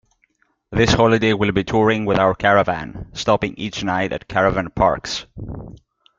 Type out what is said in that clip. This holiday we’ll be touring with our caravan, stopping each night at caravan parks